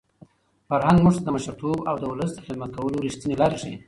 فرهنګ موږ ته د مشرتوب او د ولس د خدمت کولو رښتینې لارې ښيي.